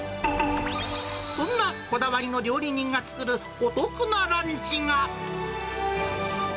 そんなこだわりの料理人が作るお得なランチが。